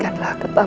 setelah siap node